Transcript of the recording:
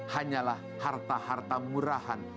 hanyalah harta harta murahan